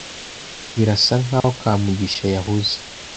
Birasa nkaho Kamugisha yahuze.